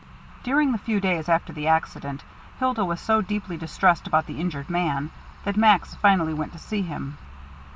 During the few days after the accident Hilda was so deeply distressed about the injured man that Max finally went to see him.